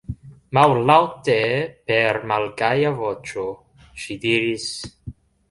Mallaŭte, per malgaja voĉo ŝi diris: